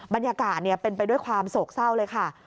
บรรยากาศเป็นไปด้วยความโศกเศร้าเลยค่ะ